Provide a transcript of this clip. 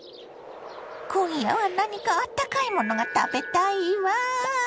今夜は何かあったかいものが食べたいわ。